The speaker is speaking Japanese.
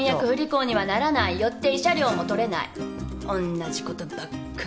同じことばっかり。